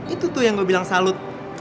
itu tuh yang gue bilang salut